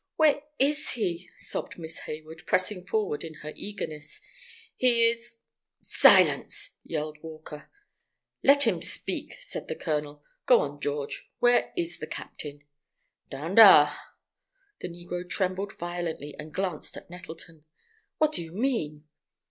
"Where is he?" sobbed Miss Hayward, pressing forward, in her eagerness. "He is—" "Silence!" yelled Walker. "Let him speak," said the colonel. "Go on, George. Where is the captain?" "Down dar!" The negro trembled violently, and glanced at Nettleton. "What do you mean?"